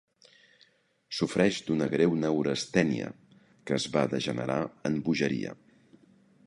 Sofreix d'una greu neurastènia que es va degenerar en bogeria.